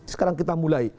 sekarang kita mulai